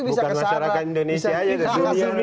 bukan masyarakat indonesia saja